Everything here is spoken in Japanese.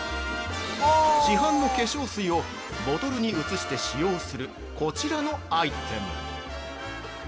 ◆市販の化粧水を、ボトルに移して使用するこちらのアイテム。